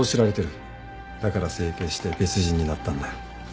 だから整形して別人になったんだよ。